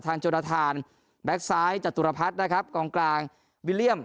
ทางโจราธานแบ็คซ้ายจัตุรพัทนะครับกลางกลางวิลเลียอม